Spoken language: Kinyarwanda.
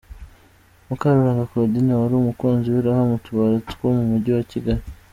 Mukarurangwa Claudine wari umukunzi w’iraha mu tubare two mu mujyi wa Kigali